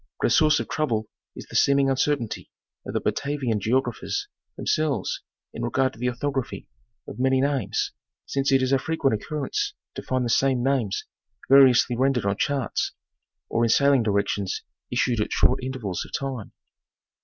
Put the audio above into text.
But a source of trouble is the. seeming uncertainty of the Batavian geographers themselves in regard to the orthography of many names, since it is a frequent occurrence to find the same names variously rendered on charts, or in sailing directions issued. at short intervals of time.